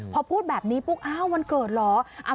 พอพูดแบบนี้ปุ๊บอ้าววันเกิดเหรอ